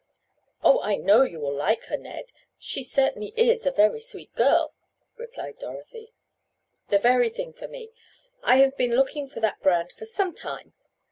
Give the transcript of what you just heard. "Oh, I know you will like her, Ned. She certainly is a very sweet girl," replied Dorothy. "The very thing for me. I have been looking for that brand for some time.